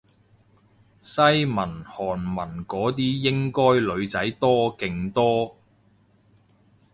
西文韓文嗰啲應該女仔多勁多